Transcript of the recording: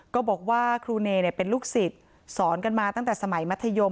ก็บอกว่าครูเนเป็นลูกศิษย์สอนกันมาตั้งแต่สมัยมัธยม